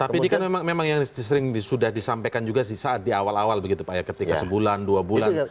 tapi ini kan memang yang sering sudah disampaikan juga sih saat di awal awal begitu pak ya ketika sebulan dua bulan